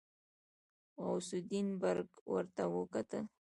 غوث الدين برګ ورته وکتل.